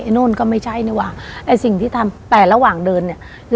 โน่นก็ไม่ใช่นี่ว่ะไอ้สิ่งที่ทำแต่ระหว่างเดินเนี่ย